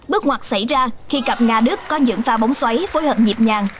bước ngoặt xảy ra khi cặp nga đức có những pha bóng xoáy phối hợp nhịp nhàng